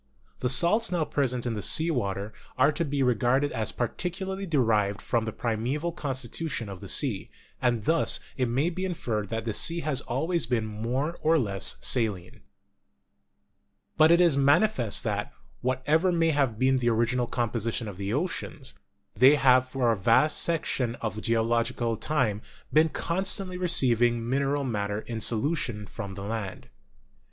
The salts now present in sea water are to be regarded as partially de rived from the primeval constitution of the sea, and thus it may be inferred that the sea has always been more or less saline. But it is manifest that, whatever may have been the original composition of the oceans, they have for a vast section of geological time been constantly receiving min eral matter in solution from the land.